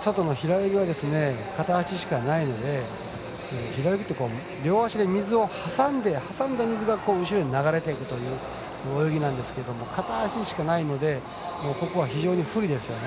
ソトの平泳ぎは片足しかないので、平泳ぎって両足で水を挟んで挟んだ水を後ろに流れていくという泳ぎなんですけど片足しかないのでここは非常に不利ですよね。